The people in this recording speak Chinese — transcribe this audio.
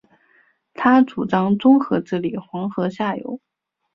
他主张综合治理黄河下游。